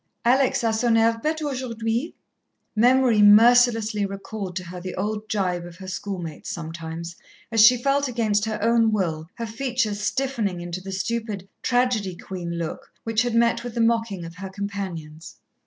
"Alex a son air bête aujourd'hui." Memory mercilessly recalled to her the old gibe of her schoolmates sometimes, as she felt, against her own will, her features stiffening into the stupid "tragedy queen" look which had met with the mocking of her companions.